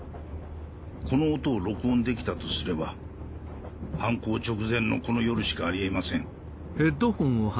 この音を録音できたとすれば犯行直前のこの夜しかありえません